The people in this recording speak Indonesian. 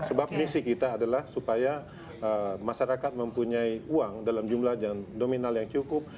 sebab misi kita adalah supaya masyarakat mempunyai uang dalam jumlah yang dominan yang cukup